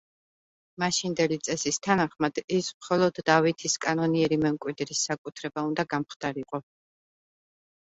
მაშინდელი წესის თანახმად, ის მხოლოდ დავითის კანონიერი მემკვიდრის საკუთრება უნდა გამხდარიყო.